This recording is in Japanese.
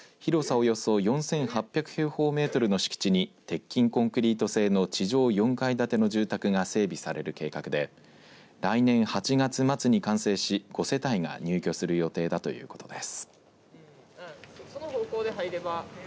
およそ４８００平方メートルの敷地に鉄筋コンクリート製の地上４階建ての住宅が整備される計画で来年８月末に完成し５世帯が入居する予定だということです。